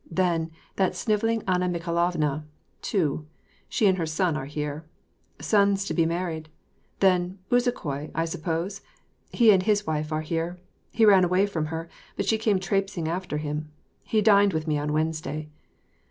"Then, that snivelling Anna Mi khailovna. — Two. She and her son are here. Son's to be married. Then, Bezukhoi, I suppose? And he and his wife are here. He ran away from her, but she came traipsing after him. He dined with me on Wednesday.